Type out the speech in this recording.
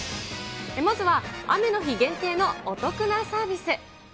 まずは雨の日限定のお得なサービス。